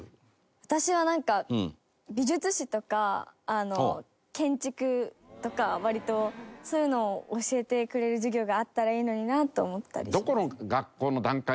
私はなんか美術史とか建築とか割とそういうのを教えてくれる授業があったらいいのになと思ったりします。